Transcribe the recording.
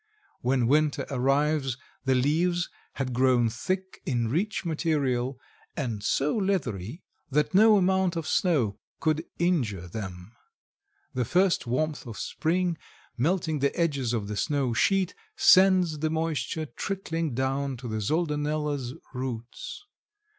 When winter arrives the leaves had grown thick in rich material and so leathery that no amount of snow could injure them. The first warmth of spring melting the edges of the snow sheet sends the moisture trickling down to the Soldanella's roots.